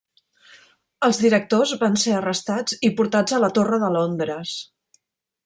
Els directors van ser arrestats i portats a la Torre de Londres.